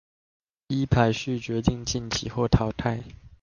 依排序決定晉級或淘汰